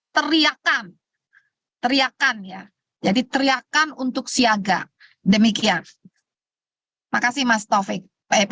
teriakan teriakan ya jadi teriakan untuk siaga demikian makasih